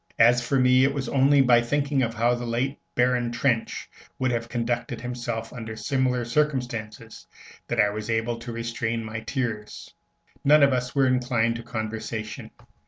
As for me, it was only by thinking how the late Baron Trenck would have conducted himself under similar circumstances that I was able to restrain my tears. None of us were inclined to conversation.